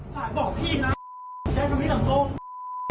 ทีมรถไฟฟ้าเอาดูดีกว่าไม่เก็บ